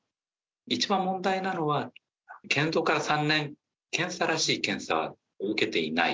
一番問題なのは、建造から３年、検査らしい検査を受けていない。